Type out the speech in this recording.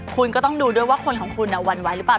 คุณก็ต้องดูด้วยว่าคนของคุณหวั่นไหวหรือเปล่า